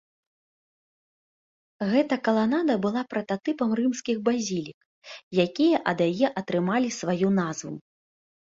Гэта каланада была прататыпам рымскіх базілік, якія ад яе атрымалі сваю назву.